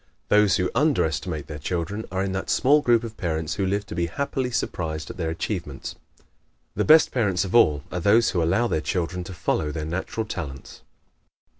Those who under estimate their children are in that small group of parents who live to be happily surprised at their achievements. The best parents of all are those who allow their children to follow their natural talents.